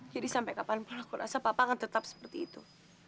jadi sampai kapanpun aku rasa papa akan tetap seperti itu